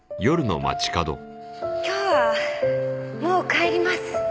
今日はもう帰ります。